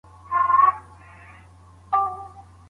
غوره پایلي یوازي مستحقو ته نه سي سپارل کېدلای.